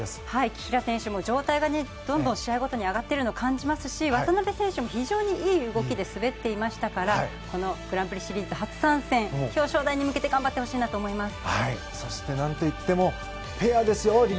紀平選手も状態がどんどん試合ごとに上がってるの感じますし、渡辺選手も非常にいい動きで滑っていましたからグランプリシリーズ初参戦表彰台に向けて頑張ってほしいと思います。